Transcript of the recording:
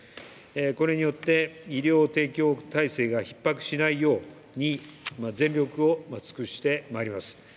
これによって、医療提供体制がひっ迫しないように、全力を尽くしてまいります。